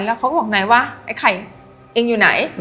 แล้วเขาก็บอกนายว่าไอ้ไข่เองอยู่ไหน